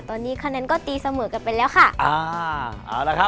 แล้วคันนั้นก็ตีเสมอกันไปแล้วค่ะ